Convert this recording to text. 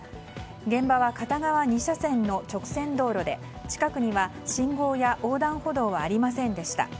現場は片側２車線の直線道路で近くには信号や横断歩道はありませんでした。